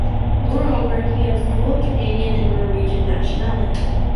Moreover, he has dual Canadian and Norwegian nationality.